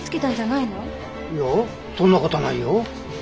いやそんな事はないよ。